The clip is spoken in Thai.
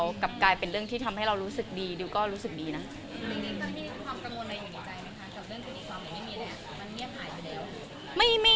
แล้วกลับกลายเป็นเรื่องที่ทำให้เรารู้สึกดีดิวก็รู้สึกดีนะ